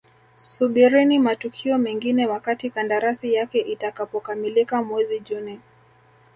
Subirini matukio mengine wakati kandarasi yake itakapokamilika mwezi Juni